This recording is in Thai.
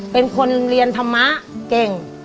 เป็นคนเรียนธรรมะเก่ง